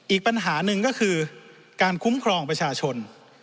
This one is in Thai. อีกปัญหาหนึ่งก็คือการคุ้มครองประชาชน